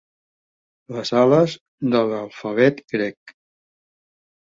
Les ales de l'alfabet grec.